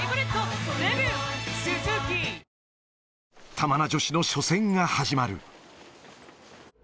玉名女子の初戦が始まる。